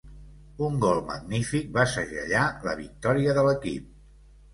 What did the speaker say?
Un gol magnífic va segellar la victòria de l'equip.